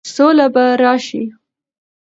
سوله به راشي،